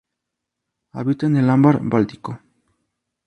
Habita en el Ámbar báltico.